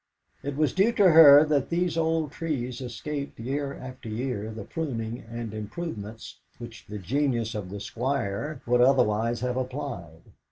It was due to her that these old trees escaped year after year the pruning and improvements which the genius of the Squire would otherwise have applied.